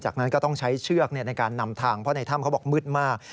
จากนั้นก็ต้องใช้เชือกในการนำทางเพราะในถ้ำเขาบอกมืดมาก